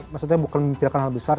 maksudnya bukan hal besar